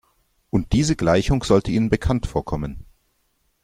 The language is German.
Und diese Gleichung sollte Ihnen bekannt vorkommen.